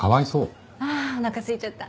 ああおなかすいちゃった。